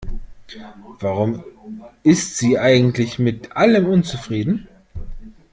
Warum ist sie eigentlich mit allem unzufrieden?